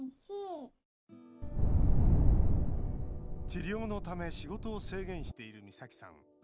治療のため仕事を制限している美咲さん。